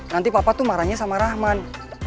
nanti papa tuh marahnya sama rahman